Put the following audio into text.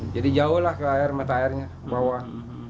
jadi jauh lah ke air mata airnya ke bawah